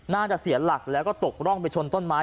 น่าจะเสียหลักแล้วก็ตกร่องไปชนต้นไม้